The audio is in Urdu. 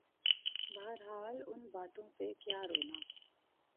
بہرحال ان باتوں پہ کیا رونا۔